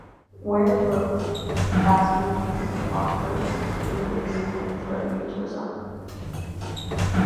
Ware wrote asking Lady Bathurst to intervene and threatening to resign.